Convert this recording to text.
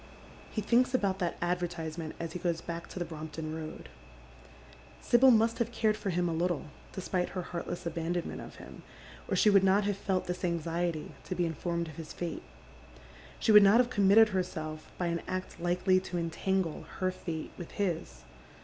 He thinks about that advertisement as he goes back to the P.rompton Koad. Sibyl must liave cared for him a little, despite her heartless abandonment of him, or she would not have felt this anxiety to be inf ornuid of his fate. She would not have committed herself by an act likely to entangle her fate with his.